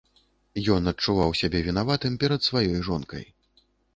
Ён адчуваў сябе вінаватым перад сваёй жонкай.